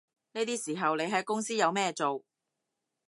呢啲時候你喺公司有咩做